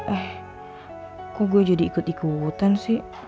eh kok gue jadi ikut ikutan sih